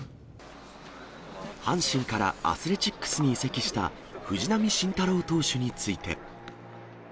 阪神からアスレチックスに移籍した藤浪晋太郎投手について。